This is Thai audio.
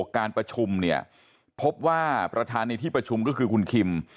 การประชุมเนี่ยพบว่าประธานในที่ประชุมก็คือคุณคิม